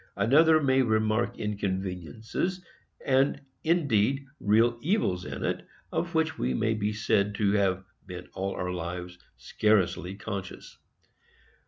Another may remark inconveniences, and, indeed, real evils, in it, of which we may be said to have been all our lives scarcely conscious.